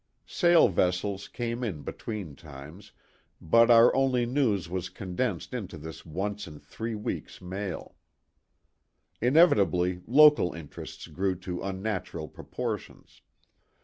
Sail vessels came in THE TWO WILLS. 129 between times, but our only news was condensed into this once in three weeks mail. Inevitably local interests grew to unnatural proportions.